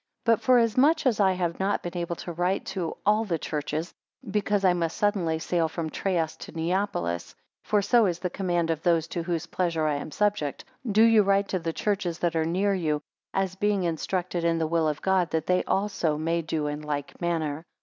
6 But forasmuch as I have not been able to write to all the churches, because I must suddenly sail from Troas to Neapolis; (for so is the command of those to whose pleasure I am subject;) do you write to the churches that are near you, as being instructed in the will of God, that they also may do in like manner.